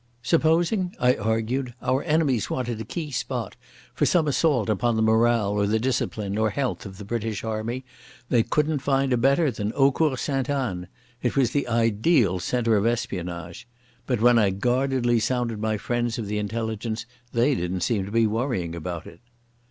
Supposing, I argued, our enemies wanted a key spot for some assault upon the morale or the discipline or health of the British Army, they couldn't find a better than Eaucourt Sainte Anne. It was the ideal centre of espionage. But when I guardedly sounded my friends of the Intelligence they didn't seem to be worrying about it.